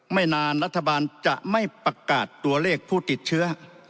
ไม่นานรัฐบาลจะไม่ประกาศตัวเลขผู้ติดเชื้อ